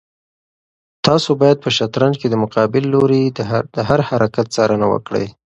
تاسو باید په شطرنج کې د مقابل لوري د هر حرکت څارنه وکړئ.